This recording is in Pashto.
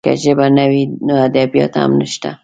که ژبه نه وي، نو ادبیات هم نشته.